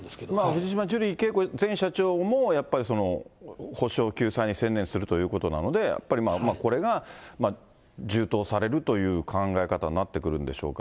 藤島ジュリー景子前社長も、やっぱり補償、救済に専念するということなので、やっぱりこれが充当されるという考え方になってくるんでしょうか。